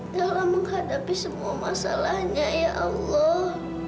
dalam menghadapi semua masalahnya ya allah